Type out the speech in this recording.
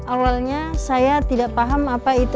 awalnya saya tidak paham apa yang berlaku di posyandu